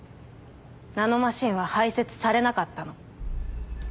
ナノマシンは排泄されなかったの。